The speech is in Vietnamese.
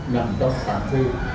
nằm trong phạm quyền